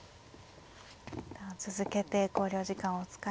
続けて考慮時間を使います。